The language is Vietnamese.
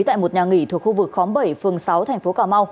tại một nhà nghỉ thuộc khu vực khóm bảy phường sáu tp cm